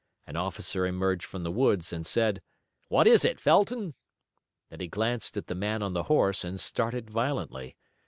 An officer emerged from the woods and said: "What is it, Felton?" Then he glanced at the man on the horse and started violently.